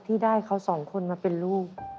ที่ได้เขาสองคนมาเป็นลูก